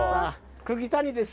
釘谷です。